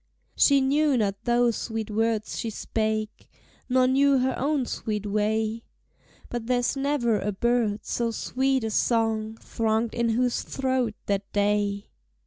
She knew not those sweet words she spake. Nor knew her own sweet way; But there's never a bird, so sweet a song Thronged in whose throat that day!